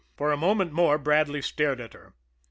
For a moment more, Bradley stared at her.